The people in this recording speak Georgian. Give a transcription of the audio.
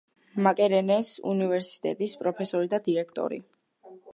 მაკერერეს უნივერსიტეტის პროფესორი და დირექტორი.